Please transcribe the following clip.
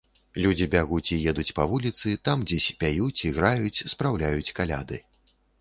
Людзі бягуць і едуць па вуліцы, там дзесь пяюць, іграюць, спраўляюць каляды.